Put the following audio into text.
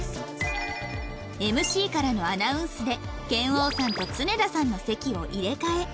ＭＣ からのアナウンスで拳王さんと常田さんの席を入れ替え